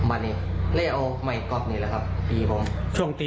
อะไรนะใครไม่เกี่ยวลงไป